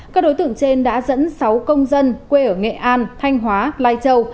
các đối tượng trên đã dẫn sáu công dân quê ở nghệ an thanh hóa lai châu